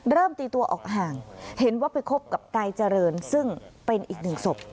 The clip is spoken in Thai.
ตีตัวออกห่างเห็นว่าไปคบกับนายเจริญซึ่งเป็นอีกหนึ่งศพ